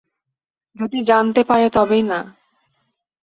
যদি জানতে পারে তবেই না।